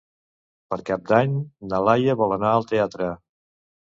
Per Cap d'Any na Laia vol anar al teatre.